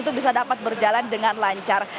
itu bisa dapat berjalan dengan lancar